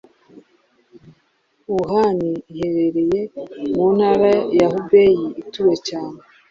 Wuhan, iherereye mu ntara ya Hubei ituwe cyane